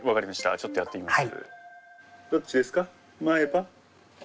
ちょっとやってみます。